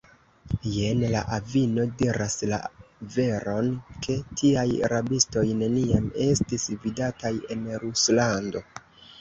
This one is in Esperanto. Jen la avino diras la veron, ke tiaj rabistoj neniam estis vidataj en Ruslando.